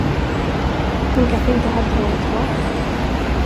Hon kanske inte hade något val?